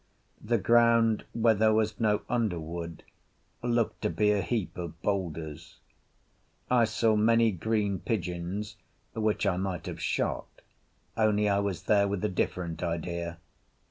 The ground where there was no underwood looked to be a heap of boulders. I saw many green pigeons which I might have shot, only I was there with a different idea.